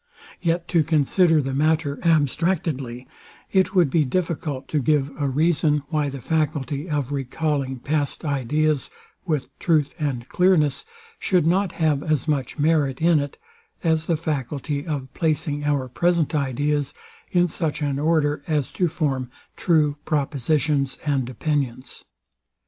Yet to consider the matter abstractedly, it would be difficult to give a reason, why the faculty of recalling past ideas with truth and clearness, should not have as much merit in it, as the faculty of placing our present ideas, in such an order, as to form true propositions and opinions.